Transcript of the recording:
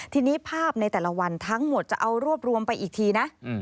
ทีนี้ภาพในแต่ละวันทั้งหมดจะเอารวบรวมไปอีกทีนะ